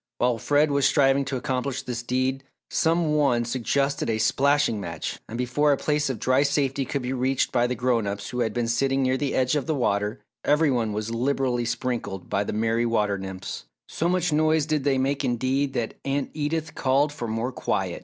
While Fred was striving to accomplish this deed, some one suggested a "splashing match" and before a place of dry safety could be reached by the grown ups who had been sitting near the edge of the water, every one was liberally sprinkled by the merry water nymphs. So much noise did they make indeed, that Aunt Edith called for more quiet.